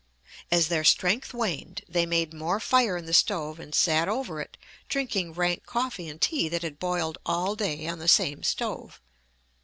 As their strength waned, they made more fire in the stove and sat over it, drinking rank coffee and tea that had boiled all day on the same stove.